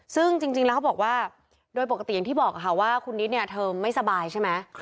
ซึ่งจริงแล้วเขาบอกว่าโดยปกติอย่างที่บอกค่ะว่าคุณนิดเนี่ยเธอไม่สบายใช่ไหม